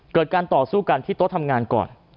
การต่อสู้กันที่โต๊ะทำงานก่อน